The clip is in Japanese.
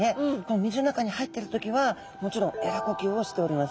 水の中に入ってる時はもちろんえら呼吸をしております。